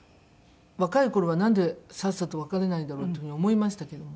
若い頃はなんでさっさと別れないんだろう？という風に思いましたけども。